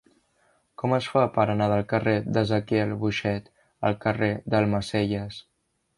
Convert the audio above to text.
Com es fa per anar del carrer d'Ezequiel Boixet al carrer d'Almacelles?